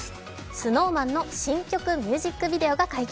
ＳｎｏｗＭａｎの新曲ミュージックビデオが解禁。